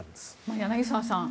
柳澤さん